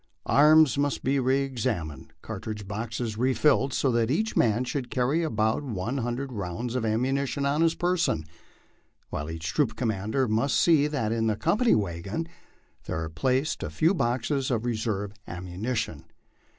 Arms must be reex^ amined, cartridge boxes refilled, so that each man should carry about one hun dred rounds of ammunition " on his person," while each troop commander must see that in the company wagon there are placed a few boxes of reserve am munition.